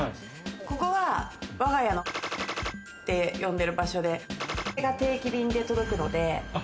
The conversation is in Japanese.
ここは、わが家のって呼んでる場所で、が定期便で届くので。